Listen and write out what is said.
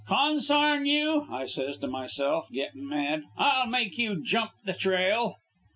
"'Consarn you!' I says to myself, gettin' mad. 'I'll make you jump the trail.'